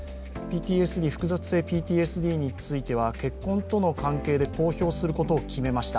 複雑性ＰＴＳＤについては、結婚との関係で公表することを決めました。